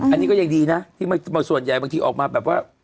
อันนี้ก็ยังดีนะที่ส่วนใหญ่บางทีออกมาแบบว่า